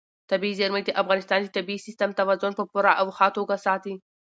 طبیعي زیرمې د افغانستان د طبعي سیسټم توازن په پوره او ښه توګه ساتي.